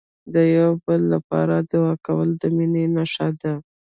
د یو بل لپاره دعا کول، د مینې نښه ده.